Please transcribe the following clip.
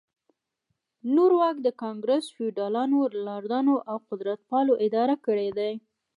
نور واک د ګانګرس فیوډالانو، لارډانو او قدرتپالو اداره کړی دی.